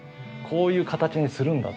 こういう形にするんだ